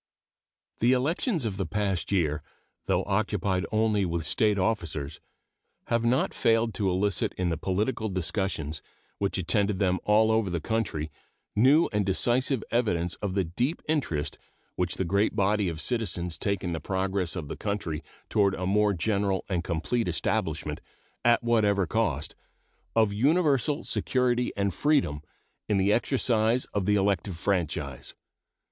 The elections of the past year, though occupied only with State officers, have not failed to elicit in the political discussions which attended them all over the country new and decisive evidence of the deep interest which the great body of citizens take in the progress of the country toward a more general and complete establishment, at whatever cost, of universal security and freedom in the exercise of the elective franchise.